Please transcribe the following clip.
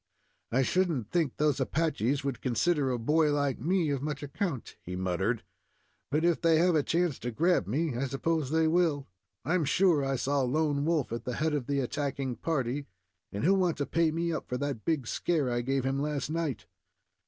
"I should n't think those Apaches would consider a boy like me of much account," he muttered; "but if they have a chance to grab me, I s'pose they will. I'm sure I saw Lone Wolf at the head of the attacking party, and he'll want to pay me up for that big scare I gave him last night."